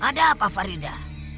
ada apa farida